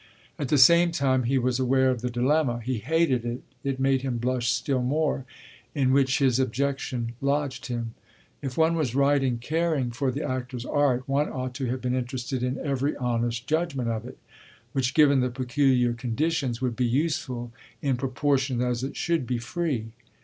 At the same time he was aware of the dilemma (he hated it; it made him blush still more) in which his objection lodged him. If one was right in caring for the actor's art one ought to have been interested in every honest judgement of it, which, given the peculiar conditions, would be useful in proportion as it should be free.